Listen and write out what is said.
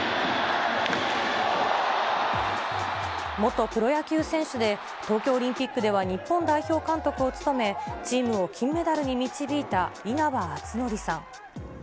元プロ野球選手で、東京オリンピックでは日本代表監督を務め、チームを金メダルに導いた稲葉篤紀さん。